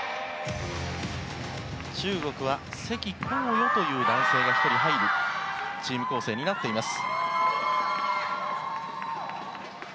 中国はセキ・コウヨという男性が１人入るチーム構成になっています。